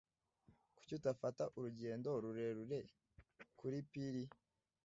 Kuki utafata urugendo rurerure kuri pir?